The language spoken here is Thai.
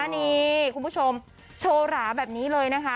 นี่คุณผู้ชมโชว์หราแบบนี้เลยนะคะ